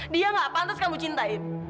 dia nggak pantas kamu cintain